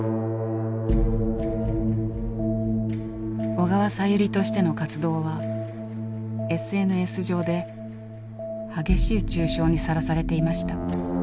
「小川さゆり」としての活動はＳＮＳ上で激しい中傷にさらされていました。